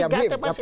ya tiap him